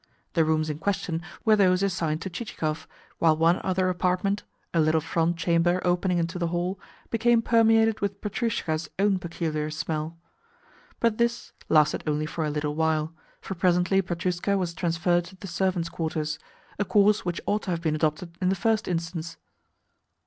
The rooms in question were those assigned to Chichikov, while one other apartment a little front chamber opening into the hall became permeated with Petrushka's own peculiar smell. But this lasted only for a little while, for presently Petrushka was transferred to the servants' quarters, a course which ought to have been adopted in the first instance.